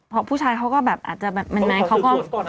เพราะผู้ชายเขาก็แบบอะจะแบบมันมั้ยเขาก็อกสืบส่วนก่อน